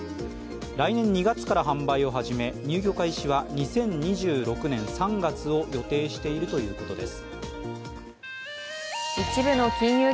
来年２月から販売を始め入居開始は、２０２６年３月を予定しているということです。